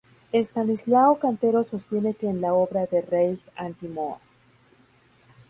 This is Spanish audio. Estanislao Cantero sostiene que en la obra de Reig "Anti Moa.